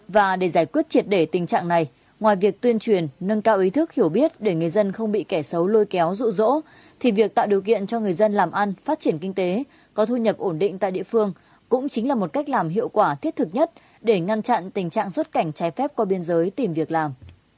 và để giải quyết triệt để tình trạng này ngoài việc tuyên truyền nâng cao ý thức hiểu biết để người dân không bị kẻ xấu lôi kéo rụ rỗ thì việc tạo điều kiện cho người dân làm ăn phát triển kinh tế có thu nhập ổn định tại địa phương cũng chính là một cách làm hiệu quả thiết thực nhất để ngăn chặn tình trạng xuất cảnh trái phép qua biên giới tìm việc làm